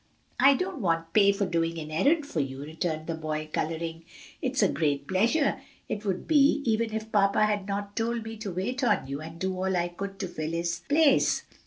"Mamma Vi, I don't want pay for doing an errand for you," returned the boy coloring; "it is a great pleasure, it would be even if papa had not told me to wait on you and do all I could to fill his place."